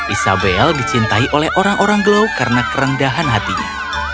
isabel dicintai oleh orang orang glow karena kerendahan hatinya